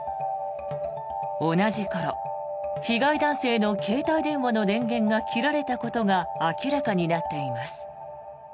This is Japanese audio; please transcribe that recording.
同じ頃、被害男性の携帯電話の電源が切られたことが明らかになっています。